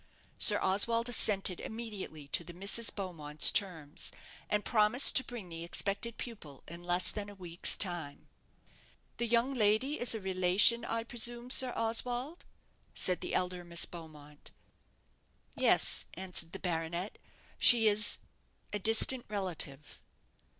Sir Oswald assented immediately to the Misses Beaumonts' terms, and promised to bring the expected pupil in less than a week's time. "The young lady is a relation, I presume, Sir Oswald?" said the elder Miss Beaumont. "Yes," answered the baronet; "she is a distant relative."